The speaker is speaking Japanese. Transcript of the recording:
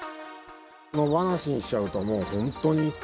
野放しにしちゃうと、もう本当に。